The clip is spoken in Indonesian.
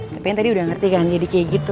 tapi yang tadi udah ngerti kan jadi kayak gitu